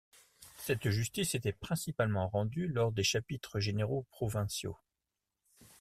Cette justice était principalement rendue lors des chapitres généraux ou provinciaux.